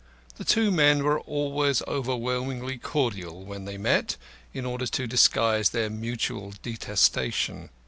The two men were always overwhelmingly cordial when they met, in order to disguise their mutual detestation.